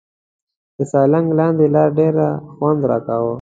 د سالنګ لاندې لار ډېر خوند راکاوه.